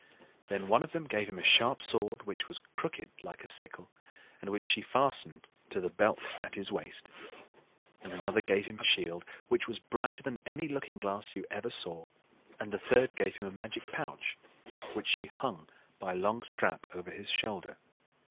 Then one of them gave him a sharp sword, which was crooked like a sickle, and which she fastened to the belt at his waist; and another gave him a shield, which was brighter than any looking glass you ever saw; and the third gave him a magic pouch, which she hung by a long strap over his shoulder.